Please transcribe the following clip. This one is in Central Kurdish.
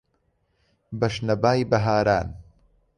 بە شنەبای بەهاران